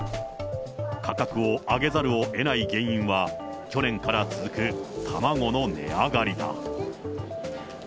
価格を上げざるをえない原因は、去年から続く卵の値上がりだ。